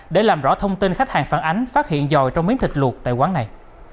để làm rõ thông tin khách hàng phản ánh phát hiện dòi trong miếng thịt luộc tại quán này